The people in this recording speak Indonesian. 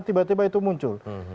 tiba tiba itu muncul